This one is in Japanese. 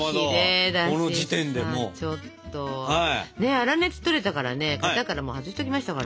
粗熱とれたからね型からもう外しときましたから。